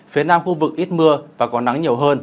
phía nam khu vực ít mưa và có nắng nhiều hơn